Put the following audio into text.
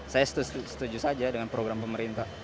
saya setuju saja dengan program pemerintah